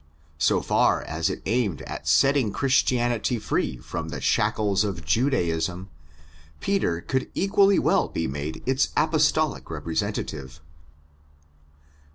So far as it aimed at setting Christianity free from the shackles of Judaism, Peter could equally well be made its apostolic repre sentative.